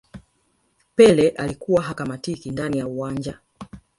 pele alikuwa hakamatiki ndani ya uwanja